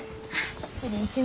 失礼します。